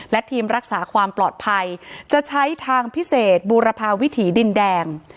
และทีมรักษาความปลอดภัยจะใช้ทางพิเศษบูรพาวิถีดินแดง